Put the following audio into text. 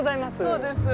そうです。